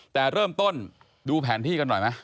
แต่เริ่มต้นดูแผนที่กันหน่อยไหม